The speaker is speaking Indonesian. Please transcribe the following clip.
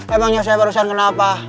emangnya saya barusan kenapa